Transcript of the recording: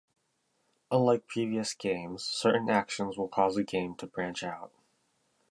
Unlike previous games, certain actions will cause the game to branch out.